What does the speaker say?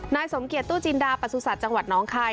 นายสมเกียจตู้จินดาประสุทธิ์จังหวัดน้องคาย